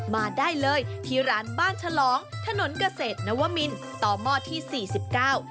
มาได้เลยที่ร้านบ้านฉลองถนนเกษตรนวมินต่อหม้อที่สี่สิบเก้า